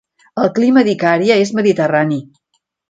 El clima d'Icària és mediterrani.